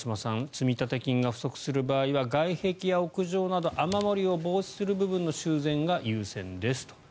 積立金が不足する場合は外壁や屋上など雨漏りを防止する部分の修繕が優先ですと。